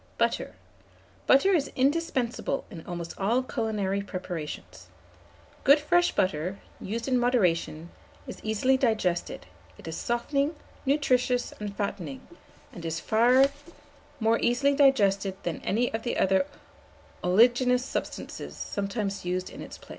BUTTER. Butter is indispensable in almost all culinary preparations. Good fresh butter, used in moderation, is easily digested; it is softening, nutritious, and fattening, and is far more easily digested than any other of the oleaginous substances sometimes used in its place.